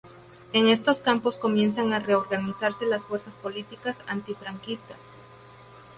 En estos campos comienzan a reorganizarse las fuerzas políticas antifranquistas.